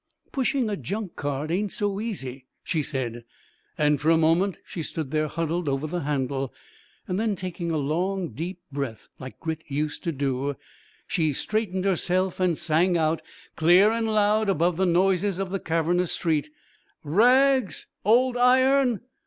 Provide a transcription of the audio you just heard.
"Pushing a junk cart ain't so easy," she said, and for a moment she stood there huddled over the handle; then, taking a long, deep breath, like Grit used to do, she straightened herself and sang out, clear and loud, above the noises of the cavernous street: "Rags ... old iron